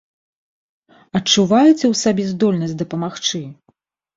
Адчуваеце ў сабе здольнасць дапамагчы?